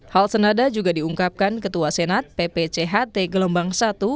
hal senada juga diungkapkan ketua senat ppct gelombang satu